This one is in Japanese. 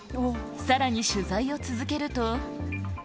さらに取材を続けると。